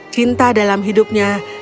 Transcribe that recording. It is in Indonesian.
cinta dalam hidupnya